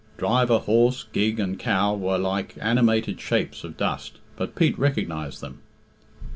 Driver, horse, gig, and cow were like animated shapes of dust, but Pete recognised them.